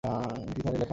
এটি তারই লেখা নাটক।